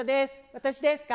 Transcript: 私ですか？